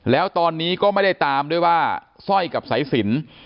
แล้วตอนนี้ก็ไม่ได้ตามด้วยว่าสร้อยกับสายสิน